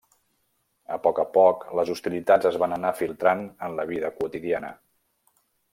A poc a poc, les hostilitats es van anar filtrant en la vida quotidiana.